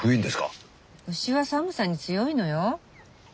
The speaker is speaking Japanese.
牛は寒さに強いのよ。